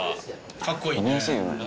かっこいいね。